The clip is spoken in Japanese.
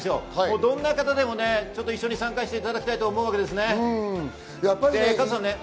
どんな方でも一緒に参加していただきたいです。